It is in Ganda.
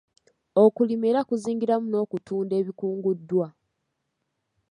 Okulima era kuzingiramu n'okutunda ebikunguddwa.